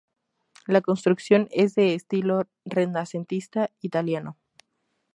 La construcción es de estilo renacentista italiano.